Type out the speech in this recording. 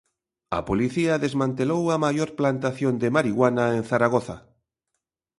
A Policía desmantelou a maior plantación de marihuana en Zaragoza.